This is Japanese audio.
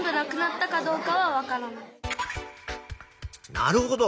なるほど。